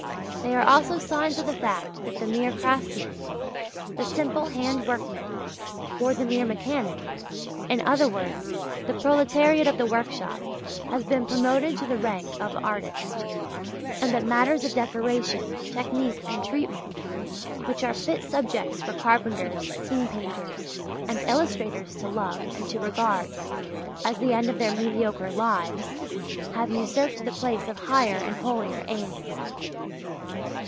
They are also signs of the fact that the mere craftsmen, the simple hand workmen, or the mere mechanic in other words, the proletariat of the workshop, has been promoted to the rank of artist, and that matters of decoration, technique and treatment (which are fit subjects for carpenters, scene painters, and illustrators to love and to regard as the end of their mediocre lives) have usurped the place of higher and holier aims.